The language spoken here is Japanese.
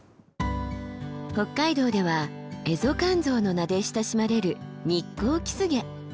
北海道ではエゾカンゾウの名で親しまれるニッコウキスゲ。